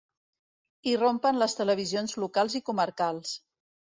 Irrompen les televisions locals i comarcals.